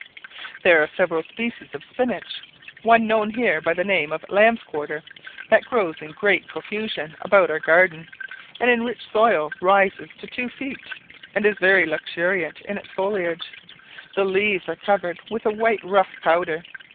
There are several species of spinach, one known here by the name of lamb's quarter, that grows in great profusion about our garden, and in rich soil rises to two feet, and is very luxuriant in its foliage; the leaves are covered with a white rough powder.